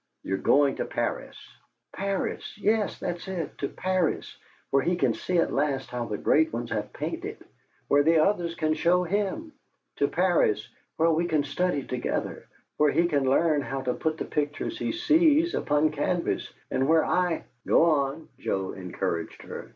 You're going to Paris!" "Paris! Yes, that's it. To Paris, where he can see at last how the great ones have painted, where the others can show him! To Paris, where we can study together, where he can learn how to put the pictures he sees upon canvas, and where I " "Go on," Joe encouraged her.